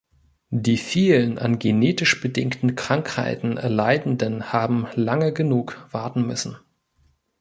Die vielen an genetisch bedingten Krankheiten Leidenden haben lange genug warten müssen.